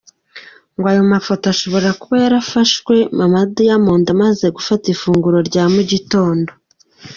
Ngo ayo mafoto ashobora kuba yarafashwe mama wa Diamond amaze gufata ifunguro rya mugitondo.